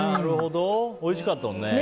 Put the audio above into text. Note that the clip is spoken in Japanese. おいしかったもんね。